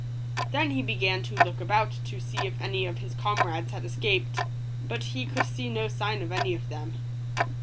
Then he began to look about to see if any of his comrades had escaped, but he could see no sign of any of them.